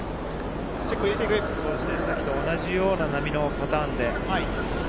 そうですね、さっきと同じような波のパターンで。